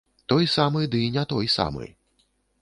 Той самы, ды не той самы!